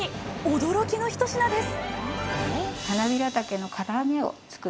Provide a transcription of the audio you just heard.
驚きの一品です！